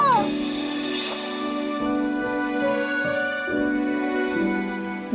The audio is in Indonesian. kamu salah paham